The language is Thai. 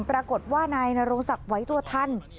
ปรากฏว่านายนโรงศักดิ์ไหวตัวทัน